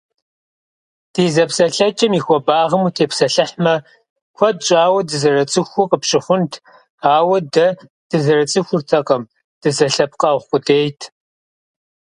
Ди зэпсэлъэкӏэм и хуэбагъым утепсэлъыхьмэ, куэд щӏауэ дызэрыцӏыхуу къыпщыхъунт, ауэ дэ дызэрыцӏыхуртэкъым дызэлъэпкъэгъу къудейт.